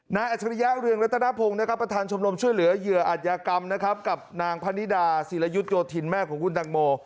นายอัจฉริยะอุเรืองรัฐาพงธ์ประธานชมรมช่วยเหลือเหยืออาญากรรมกับนางพันติดาศีลยุทธ์โยทินแม่ของคุณแตงโม